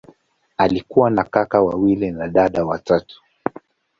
Alikuwa na kaka wawili na dada watatu.